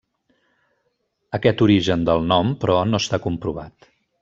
Aquest origen del nom però, no està comprovat.